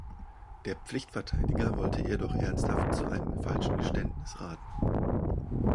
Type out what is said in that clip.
Der Pflichtverteidiger wollte ihr doch ernsthaft zu einem falschen Geständnis raten.